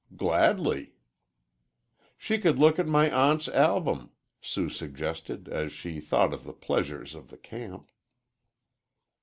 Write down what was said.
"Gladly." "She could look at my aunt's album," Sue suggested, as she thought of the pleasures of the camp.